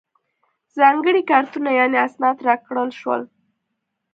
ځانګړي کارتونه یعنې اسناد راکړل شول.